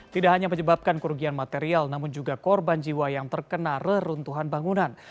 tidak hanya menyebabkan kerugian material namun juga korban jiwa yang terkena reruntuhan bangunan